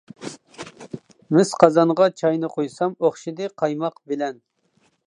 مىس قازانغا چاينى قۇيسام، ئوخشىدى قايماق بىلەن.